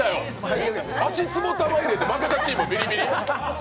足つぼ玉入れで負けたチームがビリビリ！？